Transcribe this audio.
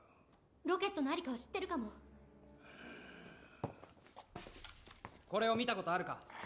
ロケットの在りかを知ってるかもこれを見たことあるか？